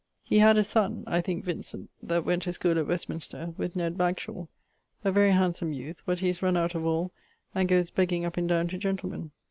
He had a son (I think Vincent) that went to schoole at Westminster, with Ned Bagshawe; a very handsome youth, but he is run out of all, and goes begging up and downe to gentlemen.